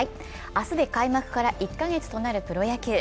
明日で開幕から１カ月となるプロ野球。